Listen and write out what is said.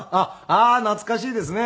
ああー懐かしいですね。